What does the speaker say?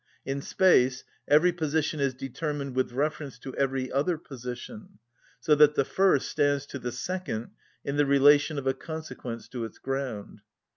In space every position is determined with reference to every other position, so that the first stands to the second in the relation of a consequence to its ground.